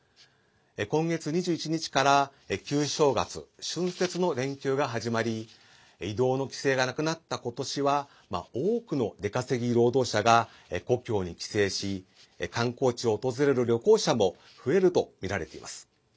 今月２１日から旧正月、春節の連休が始まり移動の規制がなくなった今年は多くの出稼ぎ労働者が故郷に帰省し観光地を訪れる旅行者も増えるとみられています。